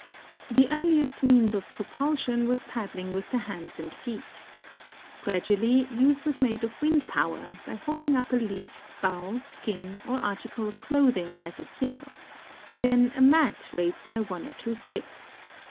The earliest means of propulsion was paddling with the hands and feet. Gradually use was made of wind power, b}"" holding up a leaf, bough, skin, or article of clothing as a sail; then a mat raised by one or two sticks.